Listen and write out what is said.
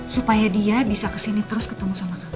supaya dia bisa kesini terus ketemu sama kamu